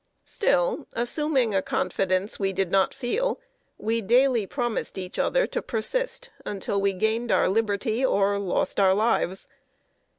Still, assuming a confidence we did not feel, we daily promised each other to persist until we gained our liberty or lost our lives.